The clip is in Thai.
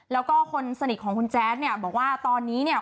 แล้วก็คนสนิทของแจ๊สบอกว่าตอนนี้เนี่ย